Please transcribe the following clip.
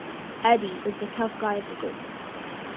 Eddie is the tough guy of the group.